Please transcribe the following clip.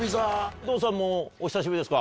有働さんもお久しぶりですか？